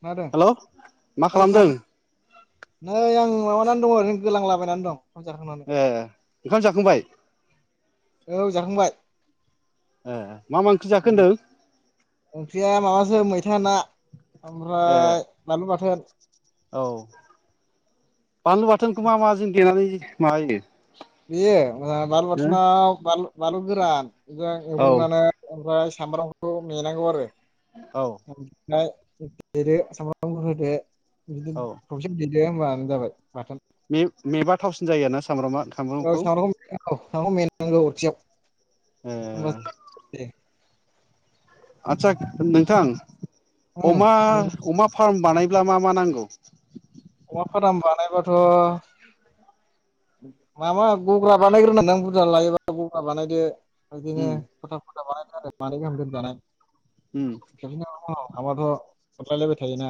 खोनादों हेल' मा औ खालामदों? खोनादों नै आं माबानानै दङ ओरैनो गोलांलाबायनानै दं। ओंखाम जाखांनानै ए ओंखाम जाखांबाय? औ जाखांबाय। ए मा मा ओंख्रि जाखो होनदों? [unintelligible] ओंख्रैयाव ना ए ओमफ्राय ओ बानलु बाथोन। औ बानलु बाथोनखौ मा मा जों देनानै माबायो बियो ओ बानलु हो बाथोनाव बानलु बानलु गोरान बिदि औ एवग्रोनानै ओमफ्राय सामब्रामखौ मेनांगौ आरो औ [unintelligible] ओमफाय देदो सामब्राम होदो। [unintelligible] दे होनबानो जाबाय बाथोन। मेब मेबा थावसिन जायो ना औ सामब्रामखौ मेनांगौ मेनांगौ सिगां ए [unintelligible] आदसा नोंथां उम अमा अमा फाराम बानायोब्ला मा मा नांगौ? अमा फाराम बानायबाथ' माबा गग्रा बानायग्रोनां बुरजा लायोबा गग्रा बानायदो उम दिनो खथा खथा बानायथारो मानै गाहाम दोनजानाय उम [unintelligible] थाबाथ अरलायलायबाय थायोना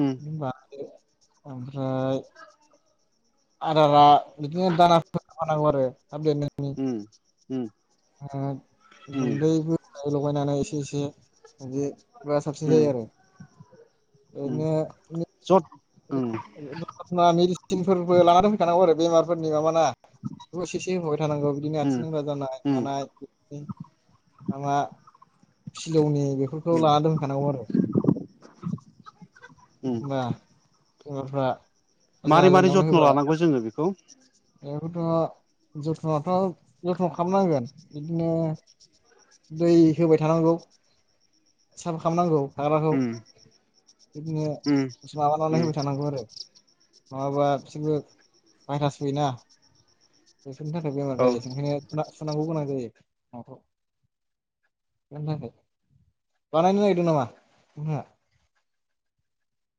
उम बा दो ओमफ्राय आदारा बिदिनो दाना नांगौ आरो थाब देरनायनि उम उम ओ उम गुन्दै लगायनानै एसे एसे बिदिबा साबसिन उम जायो आरो उम बिदनो जथ उम मेडिसिनफोरबो लाना दोनफैखानांगौ आरो बेमारफोरनि माबा ना बेखौ एसे एसे होफाबाय थानांगौ बिदिनो उम आथिं लेंग्रा जानाय उम मानाय लामा फिलौनि बेफोरखौ उम लाना दोनखानांगौ आरो उम होनबा अमाफ्रा मारै मारै जथ्न' लानांगौ जोङो बेखौ [inaudible] बेखौथ' जथनाथ जथन खालामनांगोन बिदिनो दै होबाय थानांगौ साफा खालामनांगौ थाग्राखौ उम बिदिनो उम माबानानै उम होबाय थानांगौ आरो नङाबा बिसोरबो भायरास फोयोना बेसोरनि थाखाय बेमार औ जायो ओंखायनो सुनांगौ गोनां जायो माखौ बानायनो नागिरदों नामा